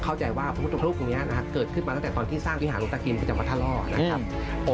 เข้าใจว่าพระพุทธรูปองค์เนี่ยนะครับเกิดขึ้นมาตั้งแต่ตอนที่สร้างวิหารุตกินขึ้นจากพระทรล่อนะครับ